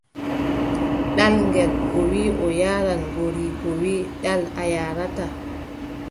Ɗal ngel, o wii o yaaran, goriiko wii : ɗal a yaarataa.